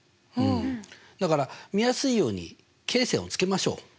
だから見やすいように罫線をつけましょう。